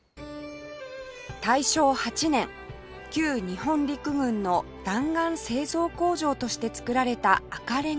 大正８年旧日本陸軍の弾丸製造工場として造られた赤レンガ棟